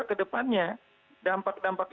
ke depannya dampak dampak